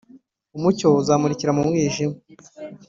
umucyo uzamurikira mu mwijima